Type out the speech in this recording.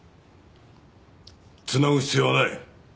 つなぐ必要はない。